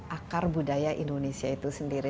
akar budaya indonesia itu sendiri